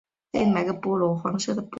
其后陆续遇到同伴阿帕因及毛美。